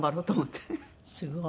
すごい。